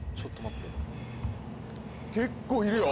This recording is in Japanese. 結構いるよ！